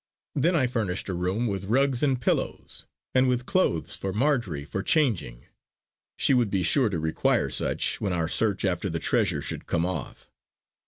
Then I furnished a room with rugs and pillows, and with clothes for Marjory for changing. She would be sure to require such, when our search after the treasure should come off.